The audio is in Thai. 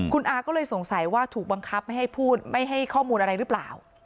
คุณอาก็เลยสงสัยว่าถูกบังคับไม่ให้พูดไม่ให้ข้อมูลอะไรหรือเปล่า